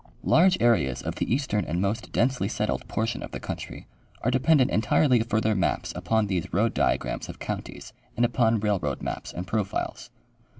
Large areas of the eastern. and most densely settled portion of the country are dependent entirely for their maps upon these road diagrams of counties and upon railroad maps and profiles.